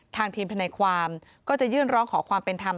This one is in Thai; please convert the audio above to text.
ทางทีมทนายความก็จะยื่นร้องขอความเป็นธรรม